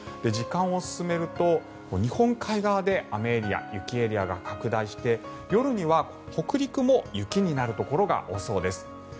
時間を進めると日本海側で雨エリア雪エリアが拡大して夜には北陸も雪になるところが多そうです。